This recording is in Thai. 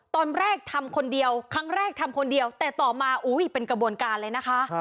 ตอนแรกทำคนเดียวครั้งแรกทำคนเดียวแต่ต่อมาอุ้ยเป็นกระบวนการเลยนะคะ